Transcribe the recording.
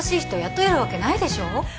雇えるわけないでしょ